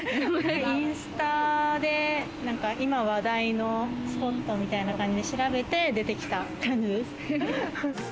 インスタで今話題のスポットみたいな感じで調べて出てきた感じです。